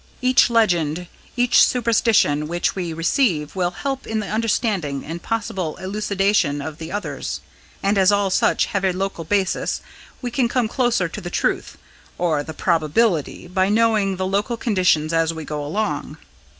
Each legend, each superstition which we receive, will help in the understanding and possible elucidation of the others. And as all such have a local basis, we can come closer to the truth or the probability by knowing the local conditions as we go along.